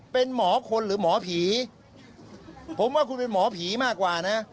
เป็นหมอคนหรือหมอผีผมว่าคุณเป็นหมอผีมากกว่านะ